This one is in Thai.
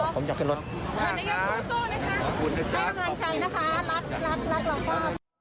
ตอนให้กำลังใจนะคะ